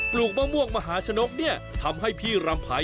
การเปลี่ยนแปลงในครั้งนั้นก็มาจากการไปเยี่ยมยาบที่จังหวัดก้าและสินใช่ไหมครับพี่รำไพ